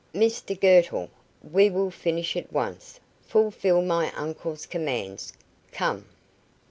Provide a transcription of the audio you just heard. Mr Girtle, we will finish at once fulfil my uncle's commands. Come."